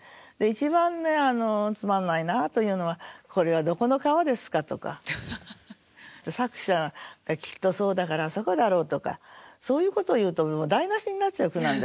一番つまんないなあというのは「これはどこの川ですか」とか「作者がきっとそうだからあそこだろう」とかそういうことを言うともう台なしになっちゃう句なんですね。